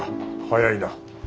早いな。